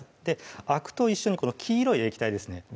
あくと一緒にこの黄色い液体ですね